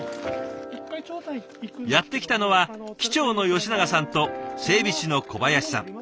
やって来たのは機長の吉長さんと整備士の小林さん。